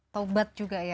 taubat juga ya